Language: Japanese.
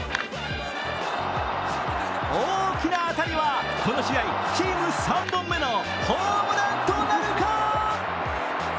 大きな当たりは、この試合、チーム３本目のホームランとなるか？！